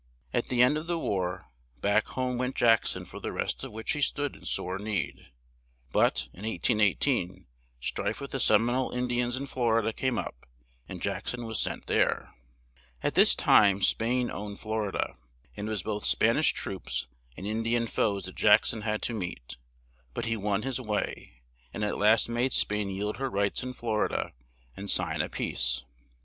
At the end of the war, back home went Jack son for the rest of which he stood in sore need; but, in 1818, strife with the Sem i nole In di ans in Flor i da came up, and Jack son was sent there. At this time Spain owned Flor i da, and it was both Span ish troops and In di an foes that Jack son had to meet, but he won his way, and at last made Spain yield her rights in Flor i da and sign a peace.